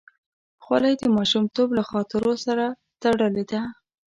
خولۍ د ماشومتوب له خاطرو سره تړلې ده.